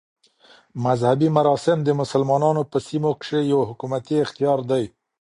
مذهبي مراسم د مسلمانانو په سیمو کښي یو حکومتي اختیار دئ.